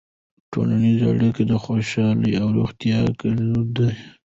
ټولنیزې اړیکې د خوشحالۍ او روغتیا کلیدي دي.